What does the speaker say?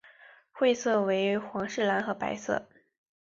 会色为皇室蓝和白色。